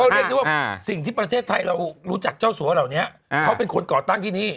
เรียกได้ว่าสิ่งที่ประเทศไทยเรารู้จักเจ้าสัวเหล่านี้เขาเป็นคนก่อตั้งที่นี่